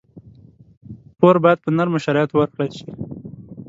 پور باید په نرمو شرایطو ورکړل شي.